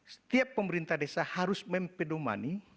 setiap pemerintah desa harus mempedomani